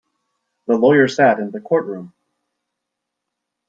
The lawyer sat in the courtroom.